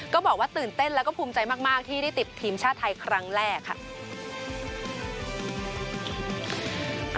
ก็บอกว่าตื่นเต้นแล้วก็ภูมิใจมากที่ได้ติดทีมชาติไทยครั้งแรกค่ะ